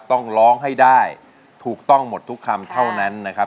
ต้องร้องให้ได้ถูกต้องหมดทุกคำเท่านั้นนะครับ